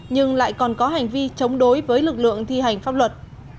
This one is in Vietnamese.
nhưng lại còn có hành vi chống đối với lực lượng thi hành pháp luật